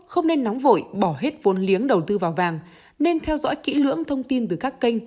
không nên nóng vội bỏ hết vốn liếng đầu tư vào vàng nên theo dõi kỹ lưỡng thông tin từ các kênh